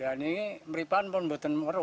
ya ini meripan pun bukan meru